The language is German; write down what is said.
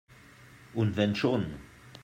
Und wenn schon!